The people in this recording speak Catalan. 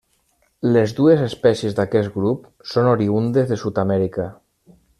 Les dues espècies d'aquest grup són oriündes de Sud-amèrica.